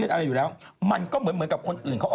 เป็นชื่อหลอนไม่มีสิ่งหัเยาะ